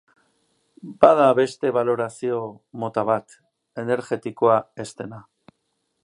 Bada beste balorizazio mota bat, energetikoa ez dena.